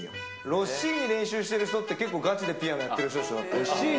ロッシーニ練習してる人って結構ガチでピアノやってる人でしょ。